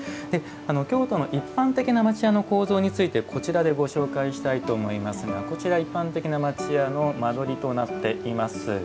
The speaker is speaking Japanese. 京都の一般的な町家の構造についてこちらでご紹介したいと思いますがこちら、一般的な町家の間取りとなっています。